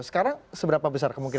sekarang seberapa besar kemungkinan